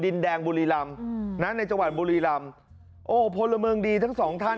ดินแดงบุรีรำนะในจังหวัดบุรีรำโอ้พลเมืองดีทั้งสองท่าน